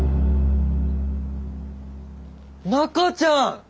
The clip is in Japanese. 中ちゃん！